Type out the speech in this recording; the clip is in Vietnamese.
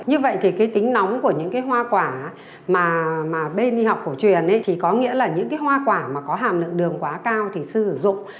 như vậy thì cái tính nóng của những hoa quả mà bên y học cổ truyền thì có nghĩa là những hoa quả mà có hàm lượng đường quá cao thì sử dụng